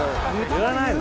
言わないで。